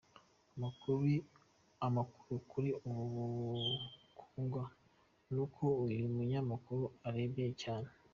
Amakuru kuri ubu ari kuvugwa nuko uyu Munyamakuru arembye cyane.